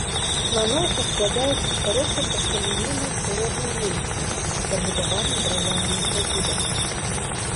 Планоўка складаецца з кароткай, прасталінейнай, шыротнай вуліцы, забудаванай драўлянымі сядзібамі.